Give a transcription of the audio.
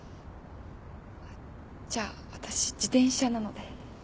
じゃあ私自転車なので。